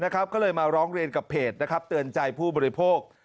ก็เลยมาร้องเรียนกับเพจเตือนใจผู้บริโภค